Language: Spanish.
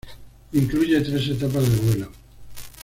Incluye tres etapas de vuelo.